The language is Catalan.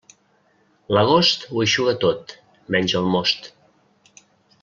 L'agost ho eixuga tot, menys el most.